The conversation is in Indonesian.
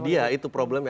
oh iya itu problemnya